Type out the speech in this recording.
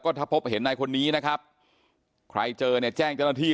ถ้าพบเห็นนายคนนี้นะครับใครเจอเนี่ยแจ้งเจ้าหน้าที่